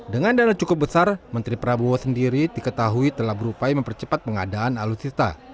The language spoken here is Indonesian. dengan dana cukup besar menteri prabowo sendiri diketahui telah berupaya mempercepat pengadaan alutsista